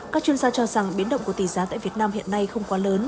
các chuyên gia cho rằng biến động của tỷ giá tại việt nam hiện nay không quá lớn